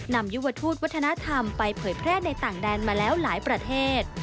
ยุวทูตวัฒนธรรมไปเผยแพร่ในต่างแดนมาแล้วหลายประเทศ